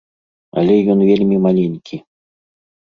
Але ён вельмі маленькі.